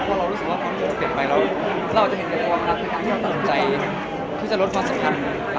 ว่าเรารู้สึกว่าพอมูลตัดไปเราจะเห็นความรับในคำศักดิ์ที่จะลดความสำคัญ